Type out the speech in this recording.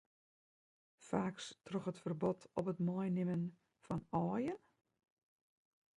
Faaks troch it ferbod op it meinimmen fan aaien?